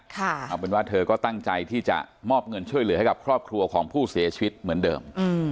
เอาเป็นว่าเธอก็ตั้งใจที่จะมอบเงินช่วยเหลือให้กับครอบครัวของผู้เสียชีวิตเหมือนเดิม